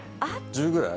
１０ぐらい？